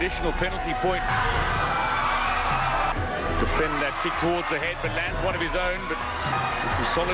ทหารภาพมันไม่มีให้